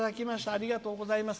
ありがとうございます」。